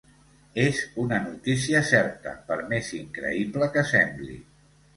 És una notícia certa, per més increïble que sembli.